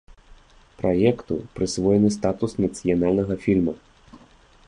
Праекту прысвоены статус нацыянальнага фільма.